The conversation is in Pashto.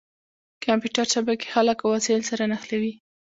کمپیوټر شبکې خلک او وسایل سره نښلوي.